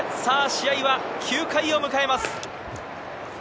試合は９回を迎えます。